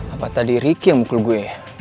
apa tadi ricky yang mukul gue